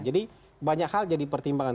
jadi banyak hal jadi pertimbangan